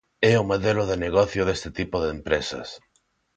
É o modelo de negocio deste tipo de empresas.